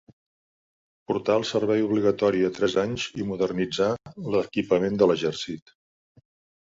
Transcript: Portà el servei obligatori a tres anys i modernitzà l'equipament de l'exèrcit.